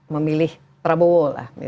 memilih prabowo lah